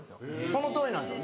そのとおりなんですよ。